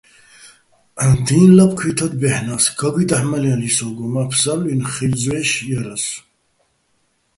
დი́ნ ლაპ ქუ́ჲთად ბაჲჰ̦ნა́ს-ე, გაგუჲ დაჰ̦ მალჲალირ სო́გო, მა́ ფსარლუ́ჲნი̆ ხეჲლზვე́ში̆ ჲარასო̆.